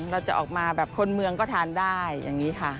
เราจะออกมาแบบคนเมืองก็ทานได้อย่างนี้ค่ะ